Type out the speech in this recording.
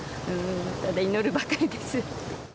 ただ祈るばかりです。